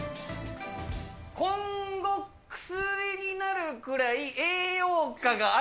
今後、薬になるくらい栄養価ああ。